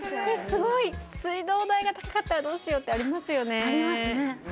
すごい水道代が高かったらどうしようってありますよねありますね